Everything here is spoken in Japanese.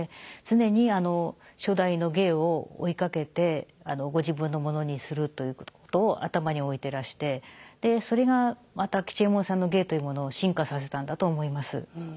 常に初代の芸を追いかけてご自分のものにするということを頭に置いてらしてそれがまた吉右衛門さんの芸というものを進化させたんだと思います。